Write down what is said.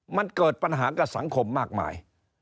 มันเกิดปัญหากับสังคมมากมาย